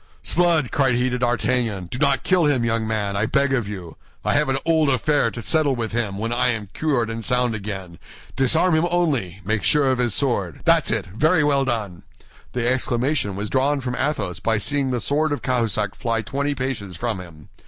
"S'blood!" cried he to D'Artagnan, "do not kill him, young man, I beg of you. I have an old affair to settle with him when I am cured and sound again. Disarm him only—make sure of his sword. That's it! Very well done!" The exclamation was drawn from Athos by seeing the sword of Cahusac fly twenty paces from him.